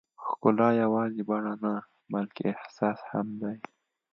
ښکلا یوازې بڼه نه، بلکې احساس هم دی.